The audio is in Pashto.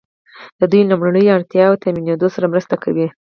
د دوی لومړنیو اړتیاوو تامینیدو سره مرسته کوي.